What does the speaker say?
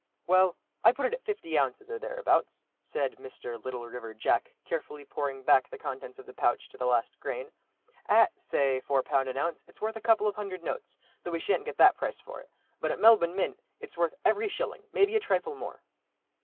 "Well—I put it at fifty ounces, or thereabouts," said Mr. "Little River Jack," carefully pouring back the contents of the pouch, to the last grain; "at, say four pound an ounce, it's worth a couple of hundred notes, though we sha'n't get that price for it. But at Melbourne mint, it's worth every shilling, maybe a trifle more."